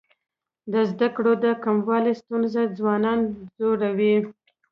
د زده کړو د کموالي ستونزه ځوانان ځوروي.